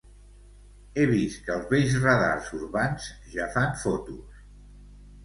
He vist que els vells radars urbans ja fan fotos.